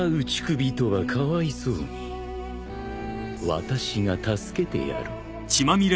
私が助けてやろう。